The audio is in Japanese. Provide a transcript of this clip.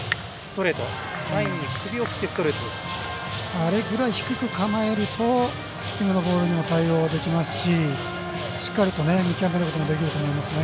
あれぐらい低く構えると低めのボールにも対応できますししっかりと見極めることもできると思いますね。